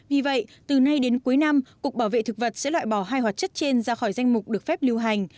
vì vậy từ nay đến cuối năm cục bảo vệ thực vật sẽ loại bỏ hai hoạt chất trên ra khỏi danh mục được phép lưu hành